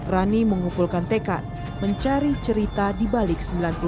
rani mengumpulkan tekat mencari cerita di balik seribu sembilan ratus sembilan puluh delapan